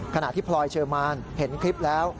ขณะที่พลอยเชอร์มานเห็นคลิปแล้ว